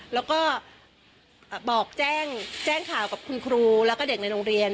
แล้วก็แจ้งข่าวกับครูและเด็กแหล่งโรงเรียน